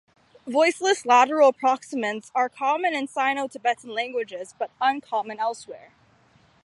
Voiceless lateral approximants, are common in Sino-Tibetan languages, but uncommon elsewhere.